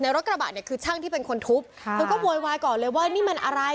รถกระบะเนี่ยคือช่างที่เป็นคนทุบค่ะเธอก็โวยวายก่อนเลยว่านี่มันอะไร